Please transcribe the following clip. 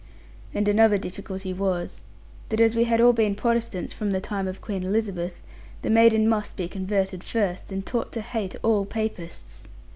And another difficulty was, that as we had all been Protestants from the time of Queen Elizabeth, the maiden must be converted first, and taught to hate all Papists.